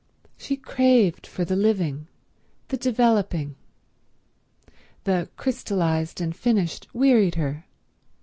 She craved for the living, the developing—the crystallized and finished wearied her.